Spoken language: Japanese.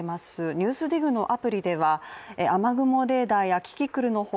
「ＮＥＷＳＤＩＧ」のアプリでは雨雲レーダーやキキクルの他